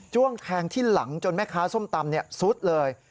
้วงแทงที่หลังจนแม่ค้าส้มตำซุดเลย